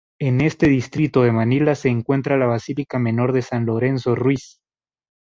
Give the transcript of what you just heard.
En este Distrito de Manila se encuentra la Basílica Menor de San Lorenzo Ruiz.